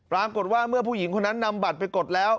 ปรากฏว่าเมื่อผู้หญิงคนนั้นนำบัตรไปกดแล้ว